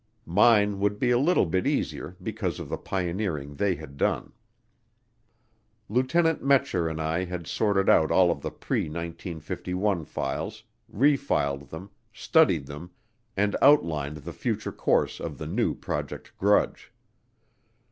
Mine would be a little bit easier because of the pioneering they had done. Lieutenant Metscher and I had sorted out all of the pre 1951 files, refiled them, studied them, and outlined the future course of the new Project Grudge.